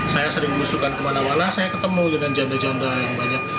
saya sering melusukan kemana mana saya ketemu dengan janda janda yang banyak